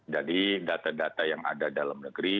jadi data data yang ada dalam negeri